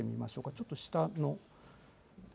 ちょっと下の。